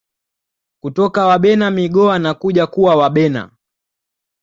Kutoka Wabena Migoha na kuja kuwa Wabena